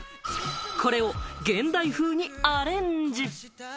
これを現代風にアレンジ。